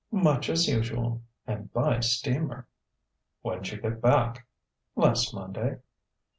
"Much as usual and by steamer." "When'd you get back?" "Last Monday...."